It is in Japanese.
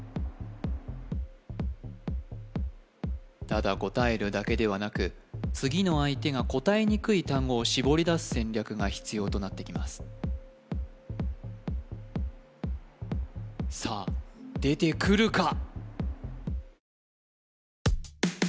ただ答えるだけではなく次の相手が答えにくい単語を絞りだす戦略が必要となってきますさあ出てくるか？